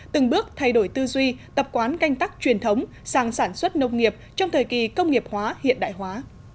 từng bước thay đổi tư duy tập quán canh tắc truyền thống sàng sản xuất nông nghiệp trong thời kỳ công nghiệp hóa hiện đại hóa